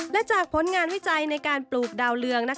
และจากผลงานวิจัยในการปลูกดาวเรือง